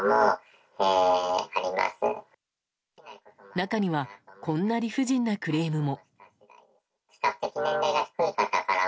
中にはこんな理不尽なクレームも。